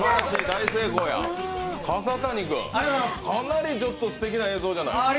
笠谷君、かなりすてきな映像じゃない？